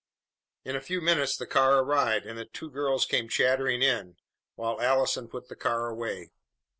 In a few minutes the car arrived, and the two girls came chattering in, while Allison put the car away.